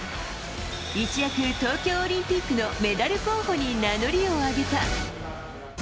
一躍、東京オリンピックのメダル候補に名乗りを上げた。